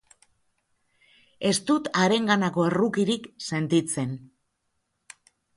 Ez dut harenganako errukirik sentitzen.